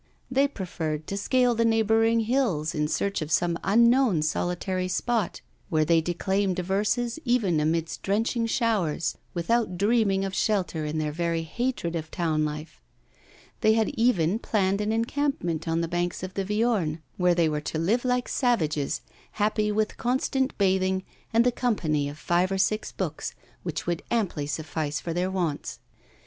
They preferred to scale the neighbouring hills in search of some unknown solitary spot, where they declaimed verses even amidst drenching showers, without dreaming of shelter in their very hatred of town life. They had even planned an encampment on the banks of the Viorne, where they were to live like savages, happy with constant bathing, and the company of five or six books, which would amply suffice for their wants.